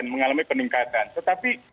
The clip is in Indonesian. mengalami peningkatan tetapi